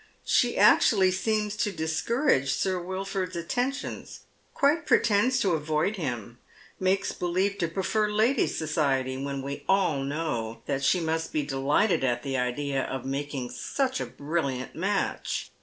" She actually seems to discourage Sir Wilford's attentions, quite pretends to avoid him, makes believe to prefer ladies' 19Ji> Dead Men's Shoe», Bocietj', when we all know that she must be delighted at the idea •f making such a brilliant match."